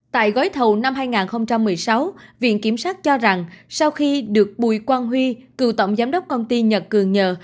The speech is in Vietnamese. tại gói thầu năm hai nghìn một mươi sáu viện kiểm sát cho rằng sau khi được bùi quang huy cựu tổng giám đốc công ty nhật cường nhờ